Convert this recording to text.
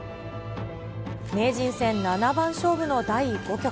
名人戦七番勝負の第５局。